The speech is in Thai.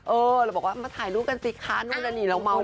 เออแล้วบอกว่ามาถ่ายรูปกันสิคค่ะนู่นนี่แล้วเมาท์บ่อย